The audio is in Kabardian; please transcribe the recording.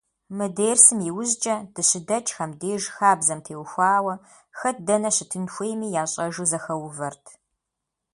Мы дерсым иужькӏэ, дыщыдэкӏхэм деж, хабзэм теухуауэ, хэт дэнэ щытын хуейми ящӏэжу зэхэувэрт.